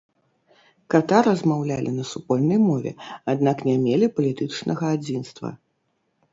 Ката размаўлялі на супольнай мове, аднак не мелі палітычнага адзінства.